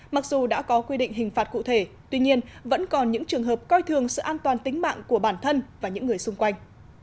mặc dù đã có quy định hình phạt cụ thể tuy nhiên vẫn còn những trường hợp coi thường sự an toàn tính mạng của bản thân và những người xung quanh